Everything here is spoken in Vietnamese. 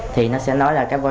thì nó sẽ nói là các vô trợ